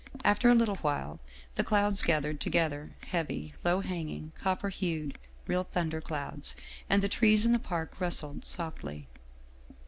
After a little while the clouds gathered together, heavy, low hanging, copper hued, real thunder clouds, and the trees in the park rustled softly.